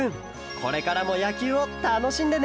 これからもやきゅうをたのしんでね！